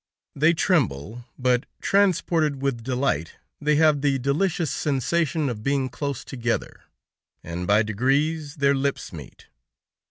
They tremble; but transported with delight, they have the delicious sensation of being close together, and by degrees their lips meet.